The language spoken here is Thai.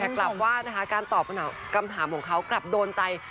แต่กลับว่านะคะการตอบคำถามของเขากลับโดนใจ